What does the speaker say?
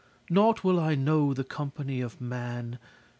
Nought will I know the company of man.